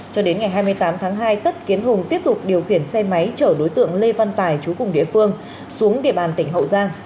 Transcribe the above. cho đến ngày hai mươi tám tháng hai tất kiến hùng tiếp tục điều khiển xe máy chở đối tượng lê văn tài chú cùng địa phương xuống địa bàn tỉnh hậu giang